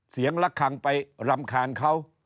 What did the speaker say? เสียงละครังไปรำคาญเขา